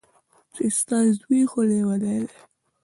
چې ستا زوى خو ليونۍ دى.